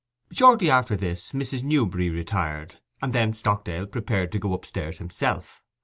Shortly after this Mrs. Newberry retired, and then Stockdale prepared to go upstairs himself.